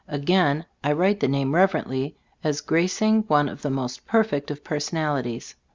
Again, I write the name rever ently, as gracing one of the most perfect of personalities.